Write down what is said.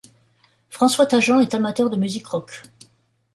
François Tajan est amateur de musique rock.